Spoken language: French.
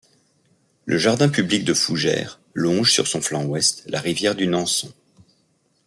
Le jardin public de Fougères longe sur son flanc ouest la rivière du Nançon.